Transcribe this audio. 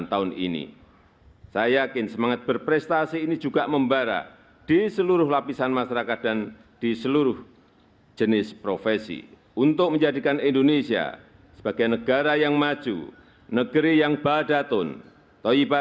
tanda kebesaran buka hormat senjata